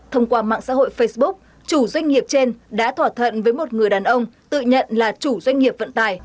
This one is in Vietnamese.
thông qua mạng xã hội facebook chủ doanh nghiệp trên đã thỏa thuận với một người đàn ông tự nhận là chủ doanh nghiệp vận tài